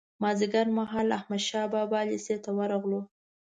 مازیګر مهال احمدشاه بابا لېسې ته ورغلو.